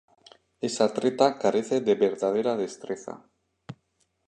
Esta treta carece de verdadera destreza.